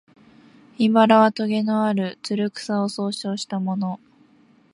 「茨」はとげのある、つる草を総称したもの